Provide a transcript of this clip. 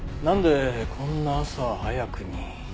なんでこんな朝早くに。